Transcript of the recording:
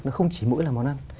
nó không chỉ mỗi là món ăn